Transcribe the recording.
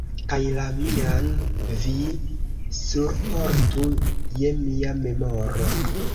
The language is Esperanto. kaj la mian vi surportu je mia memoro.